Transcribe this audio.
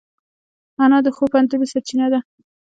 انا د ښو پندونو سرچینه ده